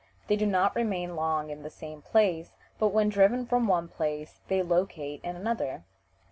They do not remain long in the same place, but when driven from one place they locate in another."